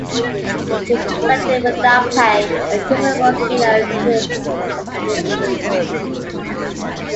He is suspended without pay, and Principal Skinner takes over his route.